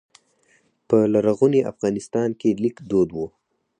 په لرغوني افغانستان کې لیک دود و